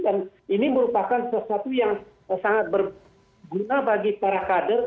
dan ini merupakan sesuatu yang sangat berguna bagi para kader